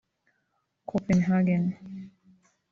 Copenhagen